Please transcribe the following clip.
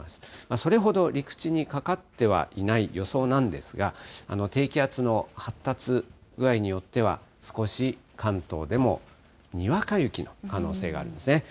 それほど陸地にかかってはいない予想なんですが、低気圧の発達具合によっては、少し関東でもにわか雪の可能性があるんですね。